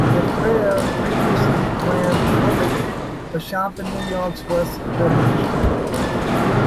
The pair previously ran Butik, a shop in New York's West Village.